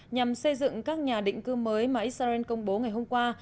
nhằm xây dựng các nhà định cư mới mà israel công bố ngày hôm qua